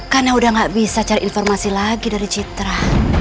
karena udah gak bisa cari informasi lagi dari citra